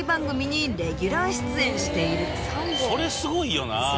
それすごいよな。